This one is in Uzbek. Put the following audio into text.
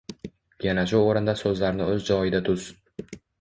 Yana shu o’rinda so’zlarni o’z joyida tuz.